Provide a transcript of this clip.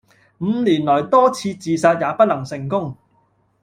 五年來多次自殺也不能成功